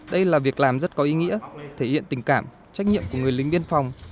đây là việc làm rất có ý nghĩa thể hiện tình cảm trách nhiệm của người lính biên phòng